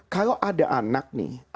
kalau ada anak nih